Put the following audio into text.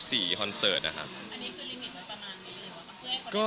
อันนี้คือลิมิตไว้ประมาณนี้หรือเปล่า